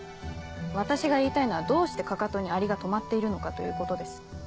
私が言いたいのはどうして踵にアリが止まっているのかということです。